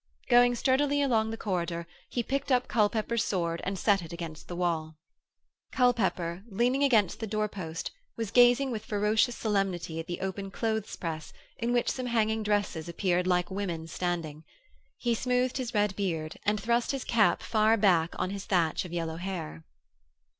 Going sturdily along the corridor he picked up Culpepper's sword and set it against the wall. Culpepper, leaning against the doorpost, was gazing with ferocious solemnity at the open clothes press in which some hanging dresses appeared like women standing. He smoothed his red beard and thrust his cap far back on his thatch of yellow hair.